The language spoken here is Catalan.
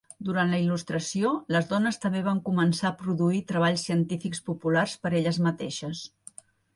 Durant la Il·lustració, les dones també van començar a produir treballs científics populars per elles mateixes.